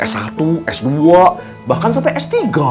s satu s dua bahkan sampai s tiga